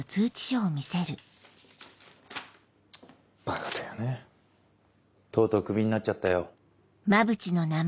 バカだよねとうとうクビになっちゃったよ。